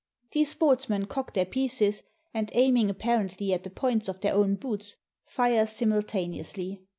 These sports men cock their pieces, and, aiming apparently at the points of their own boots, fire simultaneously.